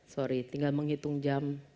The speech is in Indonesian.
sorry tinggal menghitung jam